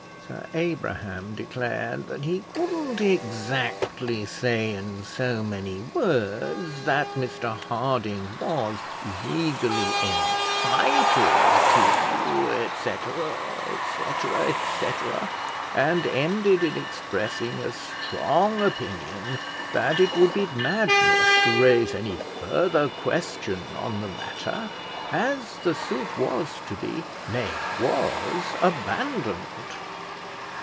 Sir Abraham declared that he couldn't exactly say in so many words that Mr Harding was legally entitled to, &c., &c., &c., and ended in expressing a strong opinion that it would be madness to raise any further question on the matter, as the suit was to be, nay, was, abandoned.